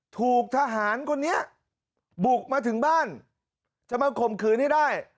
ถูกทหารคนนี้บุกมาถึงบ้านจะมาข่มขืนให้ได้